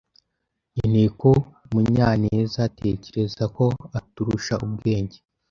nkeneye ko Munyanezatekereza ko aturusha ubwenge.